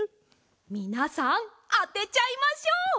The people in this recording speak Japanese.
みなさんあてちゃいましょう！